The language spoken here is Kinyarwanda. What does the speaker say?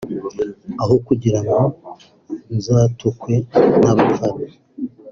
aho kugirango nzatukwe n’abafana